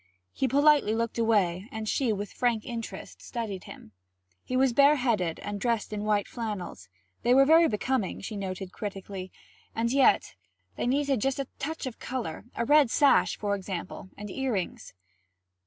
He politely looked away, and she with frank interest studied him. He was bareheaded and dressed in white flannels; they were very becoming, she noted critically, and yet they needed just a touch of colour; a red sash, for example, and earrings.